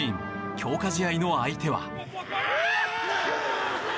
強化試合の相手は。